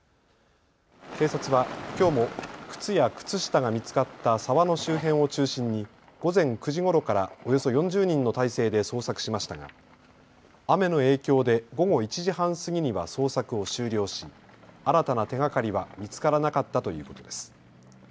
警察は、きょうも靴や靴下が見つかった沢の周辺を中心に午前９時ごろからおよそ４０人の態勢で捜索しましたが雨の影響で午後１時半過ぎには捜索を終了し新たな手がかりは見つからなかったということです。